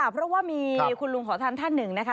เพราะว่ามีคุณลุงขอท่านท่านหนึ่งนะคะ